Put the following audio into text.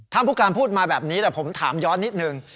ผู้การพูดมาแบบนี้แต่ผมถามย้อนนิดนึง